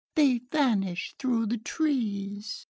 they vanish through the trees..."